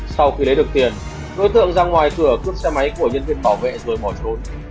sau khi lấy được tiền đối tượng ra ngoài cửa cướp xe máy của nhân viên bảo vệ rồi bỏ trốn